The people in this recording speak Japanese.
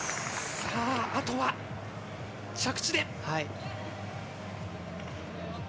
さぁ、あとは着地で。